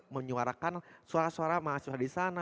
menyuarakan suara suara mahasiswa di sana